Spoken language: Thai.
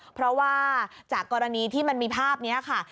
เพราะว่าจากกรณีที่มันมีภาพนี้ค่ะ